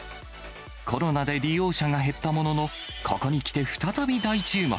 コロナで利用者が減ったものの、ここにきて、再び大注目。